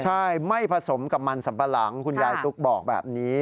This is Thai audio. ใช่ไม่ผสมกับมันสัมปะหลังคุณยายตุ๊กบอกแบบนี้